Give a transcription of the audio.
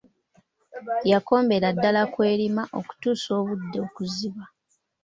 Yakombera ddala kw'erima okutuusa obudde okuziba.